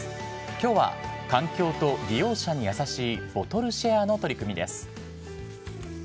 きょうは環境と利用者に優しいボトルシェアの取り組みです。